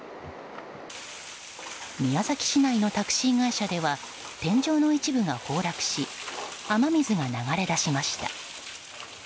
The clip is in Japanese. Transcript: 宮崎市内のタクシー会社では天井の一部が崩落し雨水が流れ出しました。